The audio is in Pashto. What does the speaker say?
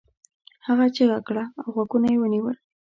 هغه چیغه کړه او غوږونه یې ونيول.